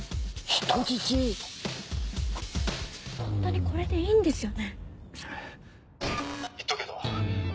ホントにこれでいいんですよね？